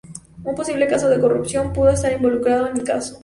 Un posible caso de corrupción pudo estar involucrado en el caso.